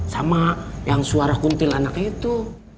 sama yang suara kuntil anaknya itu